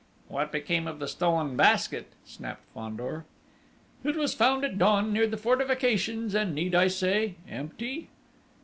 "What became of the stolen Basket?" snapped Fandor. "It was found at dawn near the fortifications, and, need I say empty!"